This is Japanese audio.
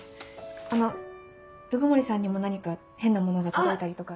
あの鵜久森さんにも何か変な物が届いたりとか。